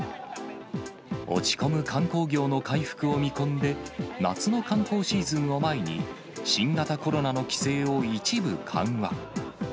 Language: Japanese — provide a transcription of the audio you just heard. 落ち込む観光業の回復を見込んで、夏の観光シーズンを前に、新型コロナの規制を一部緩和。